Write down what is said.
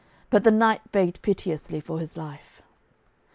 But the knight begged piteously for his life.